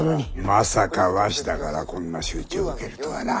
まさか鷲田からこんな仕打ちを受けるとはな。